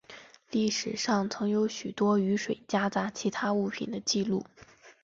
历史上曾有许多雨水夹杂其他物品的记录。